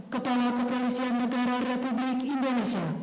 kepala kepolisian negara republik indonesia